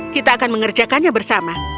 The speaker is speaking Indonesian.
kita akan mengerjakannya bersama